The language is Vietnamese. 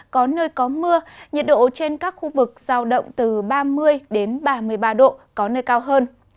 có nơi có mưa nhiệt độ trên các khu vực giao động từ ba mươi ba mươi ba độ có nơi cao hơn